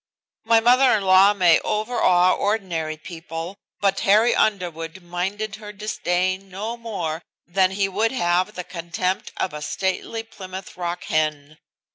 My mother in law may overawe ordinary people, but Harry Underwood minded her disdain no more than he would have the contempt of a stately Plymouth Rock hen.